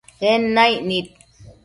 En naic nid